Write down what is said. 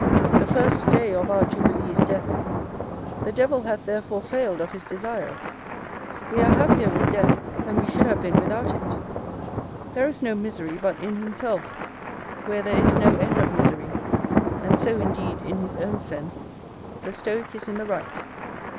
The first day of our jubilee is death; the devil hath therefore failed of his desires; we are happier with death than we should have been without it: there is no misery but in himself, where there is no end of misery; and so indeed, in his own sense, the stoic is in the right.